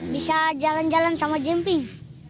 bisa jalan jalan sama jemping